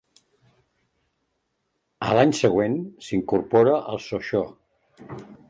A l'any següent, s'incorpora al Sochaux.